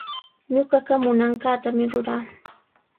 Ñuqaqa munanqaatami ruraa.